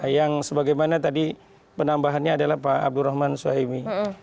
yang sebagaimana tadi penambahannya adalah pak abdurrahman suhaimi